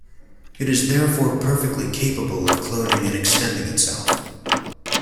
It is therefore perfectly capable of cloning and extending itself.